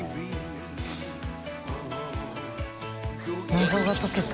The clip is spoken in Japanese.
謎が解けた。